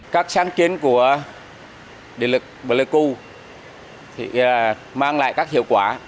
các sáng kiến của địa lực bà lê cư mang lại các hiệu quả